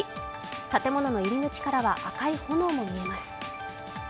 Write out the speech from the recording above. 建物の入り口からは赤い炎も見えます。